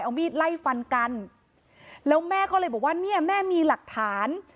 เอามีดไล่ฟันกันแล้วแม่ก็เลยบอกว่าเนี่ยแม่มีหลักฐาน